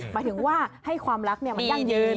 หมายถึงว่าให้ความรักมันยั่งยืน